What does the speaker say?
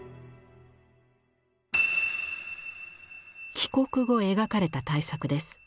帰国後描かれた大作です。